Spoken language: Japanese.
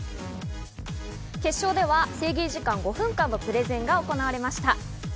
決勝では制限時間５分間のプレゼンが行われました。